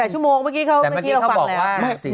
ชั่วโมงเมื่อกี้เราฟังแล้ว